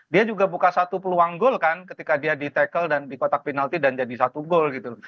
dia juga buka satu peluang gol kan ketika dia di tackle dan di kotak penalti dan jadi satu gol gitu